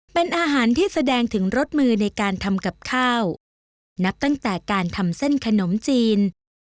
เป็นอาหารที่แสดงถึงรสมือในการทำกับข้าวนับตั้งแต่การทำเส้นขนมจีน